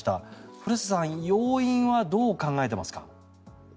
古瀬さん、要因はどう考えていますか？